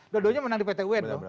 dodo nya menang di pt un